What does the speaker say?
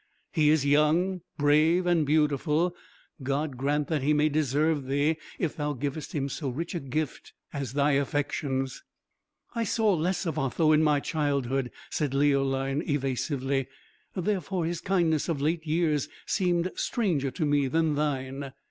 He is young, brave, and beautiful. God grant that he may deserve thee, if thou givest him so rich a gift as thy affections." "I saw less of Otho in my childhood," said Leoline, evasively; "therefore, his kindness of late years seemed stranger to me than thine."